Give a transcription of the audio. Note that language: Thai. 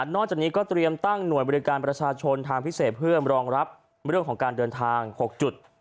จากนี้ก็เตรียมตั้งหน่วยบริการประชาชนทางพิเศษเพื่อรองรับเรื่องของการเดินทาง๖จุด